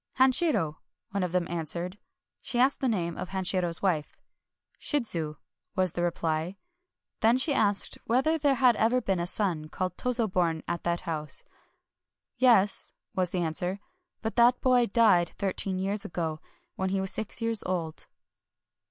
"Hanshiro," one of them answered. She asked the name of Hanshiro's wife. " Shidzu," was the reply. Then she asked whether there had ever been a son called Tozo born in that house. "Yes," was the answer; "but that boy died thirteen years ago, when he was six years old."